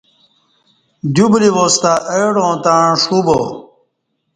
دیوبولی واس تہ اہ ڈاں تݩع ݜوبا